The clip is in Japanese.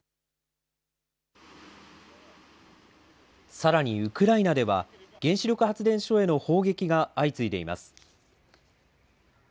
さらにウクライナでは、原子力発電所への砲撃が相次いでいます。